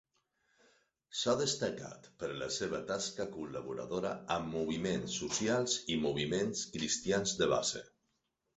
S'ha destacat per la seva tasca col·laboradora amb moviments socials i moviments cristians de base.